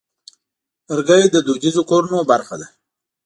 لرګی د دودیزو کورونو برخه ده.